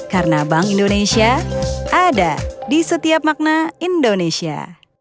karena bank indonesia ada di setiap makna indonesia